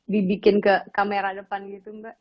dibikin ke kamera depan gitu mbak